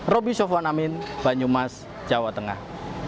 roby sofwan amin banyumas jawa tengah